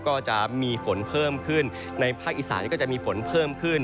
ก็จะมีฝนเพิ่มขึ้นในภาคอีสานก็จะมีฝนเพิ่มขึ้น